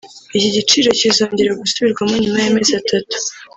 Iki giciro kizongera gusubirwamo nyuma y’amezi atatu